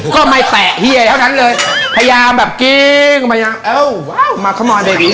ก็ไม่แตะเฮียเท่านั้นเลยพยายามแบบกิ๊งมาอย่างเอ้าว้าวมาเข้ามาเด็กอีส